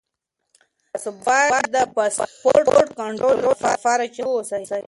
تاسو باید د پاسپورټ کنټرول لپاره چمتو اوسئ.